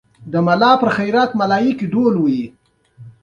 ورزش کول د انسان بدن جوړوي